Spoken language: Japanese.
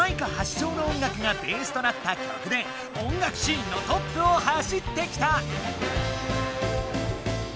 しょうの音楽がベースとなった曲で音楽シーンのトップを走ってきた！